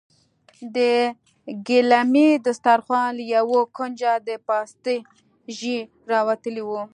د ګيلمي دسترخوان له يوه کونجه د پاستي ژۍ راوتلې وه.